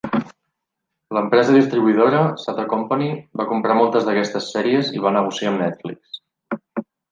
L'empresa distribuïdora, Sato Company, va comprar moltes d'aquestes sèries i va negociar amb Netflix.